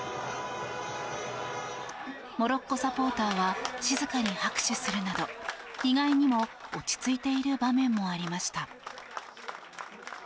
モロッコサポーターは静かに拍手するなど意外にも落ち着いている場面もありました。